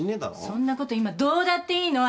そんなこと今どうだっていいの。